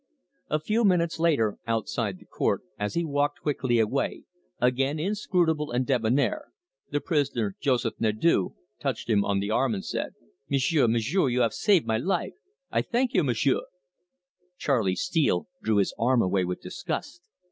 A few minutes later, outside the court, as he walked quickly away, again inscrutable and debonair, the prisoner, Joseph Nadeau, touched him on the arm and said: "M'sieu', M'sieu', you have saved my life I thank you, M'sieu'!" Charley Steele drew his arm away with disgust.